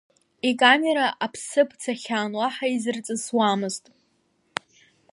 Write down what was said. Икамера аԥсыԥ цахьан, уаҳа изырҵысуамызт.